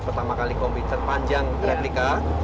pertama kali kombi terpanjang replika